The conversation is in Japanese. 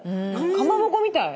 かまぼこみたい！